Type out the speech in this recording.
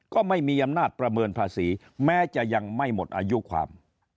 ก็ไม่มีอำนาจประเมินภาษีแม้จะยังไม่หมดอายุความ